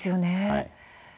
はい。